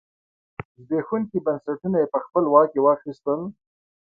زبېښونکي بنسټونه یې په خپل واک کې واخیستل.